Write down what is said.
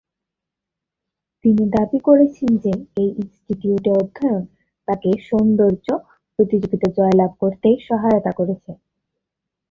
তিনি দাবি করেছেন যে এই ইনস্টিটিউটে অধ্যয়ন তাঁকে সৌন্দর্য প্রতিযোগিতা জয়লাভ করতে সহায়তা করেছে।